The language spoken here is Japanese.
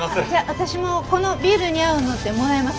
私もこのビールに合うのってもらえます？